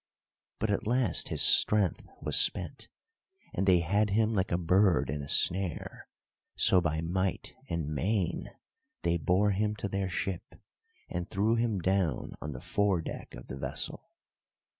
But at last his strength was spent, and they had him like a bird in a snare; so, by might and main, they bore him to their ship, and threw him down on the fore deck of the vessel.